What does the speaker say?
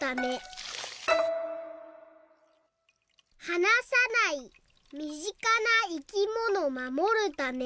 「はなさないみぢかないきものまもるため」。